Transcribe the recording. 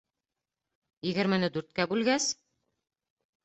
— Егермене дүрткә бүлгәс?